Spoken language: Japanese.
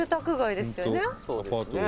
「そうですね」